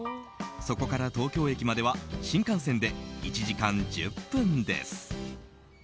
そこから東京駅までは新幹線で１時間１０分です。